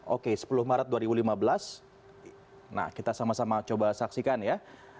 oke sepuluh maret dua ribu lima belas nah kita sama sama coba saksikan ya